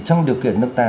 trong điều kiện nước ta